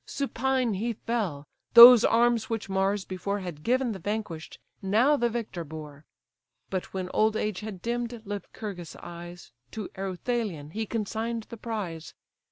Supine he fell: those arms which Mars before Had given the vanquish'd, now the victor bore: But when old age had dimm'd Lycurgus' eyes, To Ereuthalion he consign'd the prize.